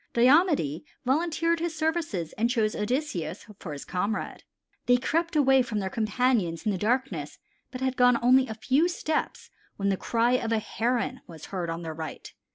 Diomede volunteered his services and chose Odysseus for his comrade. They crept away from their companions in the darkness but had gone only a few steps when the cry of a Heron was heard on their right.